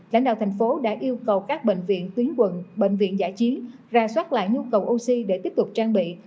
lãnh đạo thành phố đã yêu cầu các bệnh viện tuyến quận bệnh viện giả chiến ra soát lại nhu cầu oxy để tiếp tục trang bị